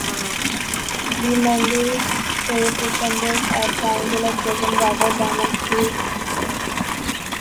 The Mendel's shape resembles a triangular prism rather than a cube.